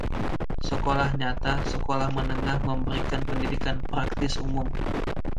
Sekolah nyata, sekolah menengah memberikan pendidikan praktis umum.